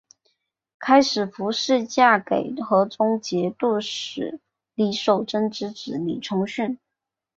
开始符氏嫁给河中节度使李守贞之子李崇训。